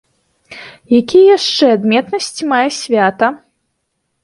Якія яшчэ адметнасці мае свята?